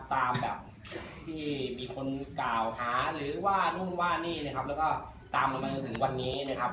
ตามแบบที่มีคนกล่าวหาหรือว่านู่นว่านี่นะครับแล้วก็ตามเรามาจนถึงวันนี้นะครับ